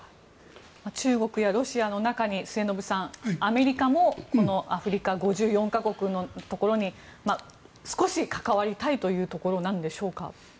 中国やロシアの中に末延さんアメリカもアフリカ５４か国のところに少し関わりたいというところなんでしょうか。